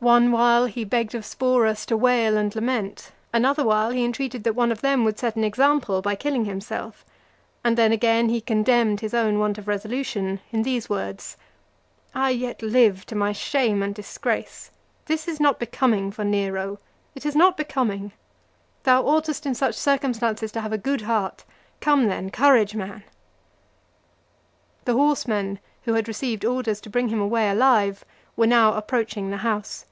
One while, he begged of Sporus to begin to wail and lament; another while, he entreated that one of them would set him an example by killing himself; and then again, he condemned his own want of resolution in these words: "I yet live to my shame and disgrace: this is not becoming for Nero: it is not becoming. Thou oughtest in such circumstances to have a good heart: Come, then: courage, man!" The horsemen who had received orders to bring him away alive, were now approaching the house.